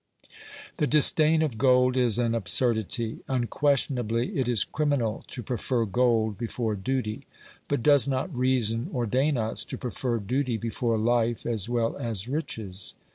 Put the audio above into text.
The disdain of gold is an absurdity. Unquestionably, it is criminal to prefer gold before duty, but does not reason ordain us to prefer duty before life as well as riches?